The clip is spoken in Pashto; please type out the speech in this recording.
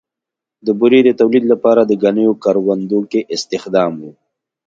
د بورې د تولید لپاره د ګنیو کروندو کې استخدام و.